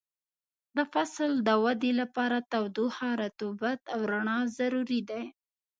د فصل د ودې لپاره تودوخه، رطوبت او رڼا ضروري دي.